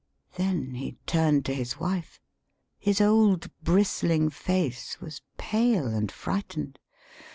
Then he turned to his wife. His old brist ling face was pale and frightened.